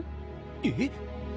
えっ⁉